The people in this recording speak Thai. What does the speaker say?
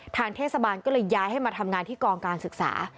ทางเทศบาลก็เลยย้ายให้มาทำงานที่กองการศึกษา